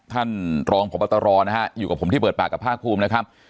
ท่านรองพบตรนะฮะอยู่กับผมที่เปิดปากกับภาคภูมินะครับ